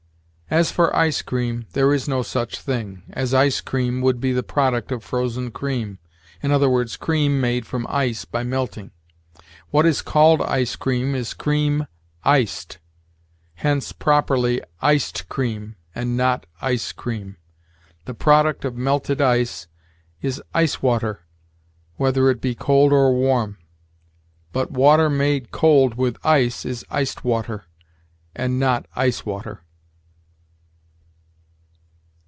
As for ice cream, there is no such thing, as ice cream would be the product of frozen cream, i. e., cream made from ice by melting. What is called ice cream is cream iced; hence, properly, iced cream and not ice cream. The product of melted ice is ice water, whether it be cold or warm; but water made cold with ice is iced water, and not ice water.